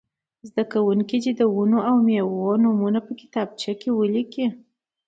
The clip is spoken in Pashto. زده کوونکي دې د ونو او مېوو نومونه په کتابچه کې ولیکي.